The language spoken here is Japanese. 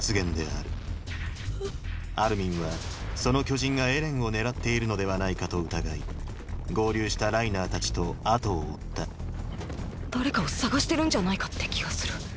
アルミンはその巨人がエレンを狙っているのではないかと疑い合流したライナーたちと後を追った誰かを捜してるんじゃないかって気がする。